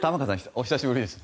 お久しぶりです。